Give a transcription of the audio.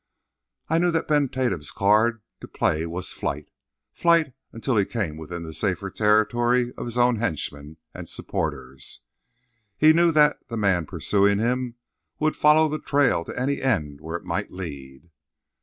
I knew that Ben Tatum's card to play was flight—flight until he came within the safer territory of his own henchmen and supporters. He knew that the man pursuing him would follow the trail to any end where it might lead.